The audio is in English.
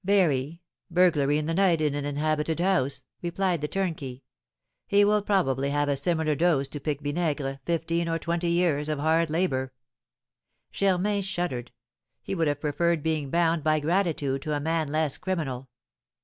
"Very; burglary in the night in an inhabited house," replied the turnkey. "He will probably have a similar dose to Pique Vinaigre, fifteen or twenty years of hard labour." Germain shuddered; he would have preferred being bound by gratitude to a man less criminal.